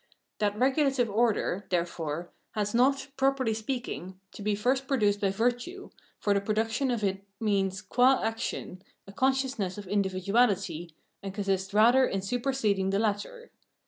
That regu lative order, therefore, has not, properly speaking, to be first produced by virtue, for the production of it means qua action, a consciousness of individuahty, and consists rather in superseding the latter.